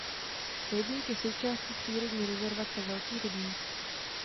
Rybník je součástí přírodní rezervace Velký rybník.